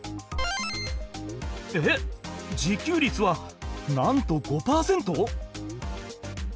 えっ自給率はなんと５％！？